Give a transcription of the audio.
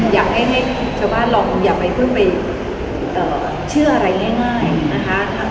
อยากให้ชาวบ้านเราอย่าเพิ่งไปเชื่ออะไรง่าย